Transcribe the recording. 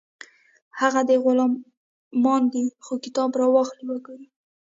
هغه که غلامان دي خو کتاب راواخلئ وګورئ